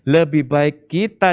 lebih baik kita